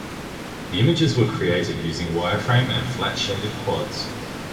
The images were created using wireframe and flat-shaded quads.